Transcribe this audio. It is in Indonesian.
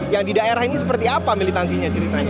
yang di daerah ini seperti apa militansinya ceritanya